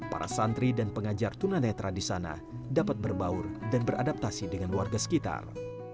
para santri dan pengajar tunanetra di sana dapat berbaur dan beradaptasi dengan warga sekitar